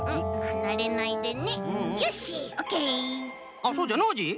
あっそうじゃノージー。